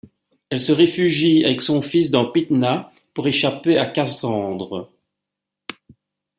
Elle se réfugie avec son fils dans Pydna pour échapper à Cassandre.